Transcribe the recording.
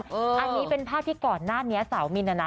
อันนี้เป็นภาพที่ก่อนหน้านี้สาวมินนะนะ